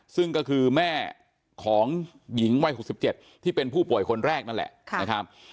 ซึ่งก็คือแม่ของหญิงวัย๖๗ที่เป็นผู้ป่วยคนแรกนั่นแหละนะครับ